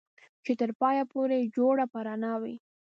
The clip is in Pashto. چې تر پايه پورې جوړه په رڼا وي